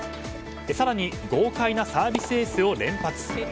更に、豪快なサービスエースを連発。